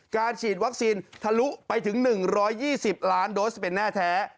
การฉีดวัคซีนทะลุไปถึง๑๒๐ล้านโดสเป็นแน่แท้